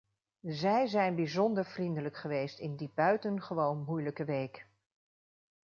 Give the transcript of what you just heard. Zij zijn bijzonder vriendelijk geweest in die buitengewoon moeilijke week.